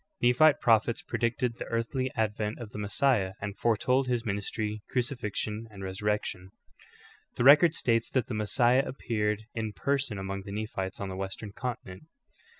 Nephite prophets predicted the earthly advent of the Messiah, and foretold His ministry, crucifixion, and resurrection. 25. The record states that the Messiah appeared in per son among the Nephites on the w^estern continent.